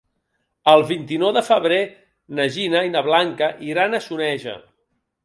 El vint-i-nou de febrer na Gina i na Blanca iran a Soneja.